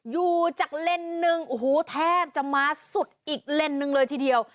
อยู่จากเล่นนึงโอ้โหแทบจะมาสุดอีกเล่นนึงเลยทีเดียว